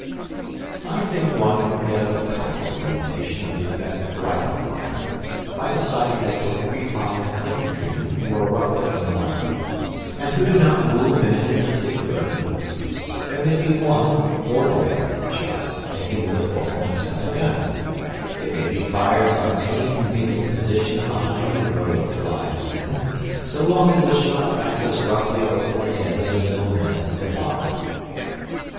I think one can get a practical imitation of the effect of rifle fire by deciding that for every five infantry men who are roughly in a line, and who do not move in any particular move, there may be one (ordinary) shot taken with a 4'7 gun. It may be fired from any convenient position behind the row of five men, so long as the shot passes roughly over the head of the middle man of the five.